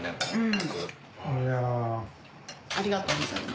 ありがとうございます。